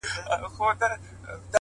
مناجات٫